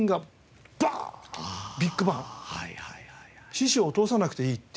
師匠を通さなくていいって。